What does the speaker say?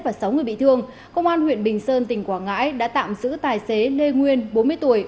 và sáu người bị thương công an huyện bình sơn tỉnh quảng ngãi đã tạm giữ tài xế lê nguyên bốn mươi tuổi